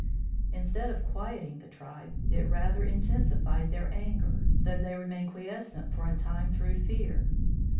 Instead of quieting the tribe, it rather intensified their anger, though they remained quiescent for a time through fear.